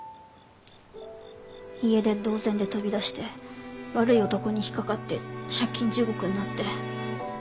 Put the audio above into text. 家出同然で飛び出して悪い男に引っ掛かって借金地獄になって。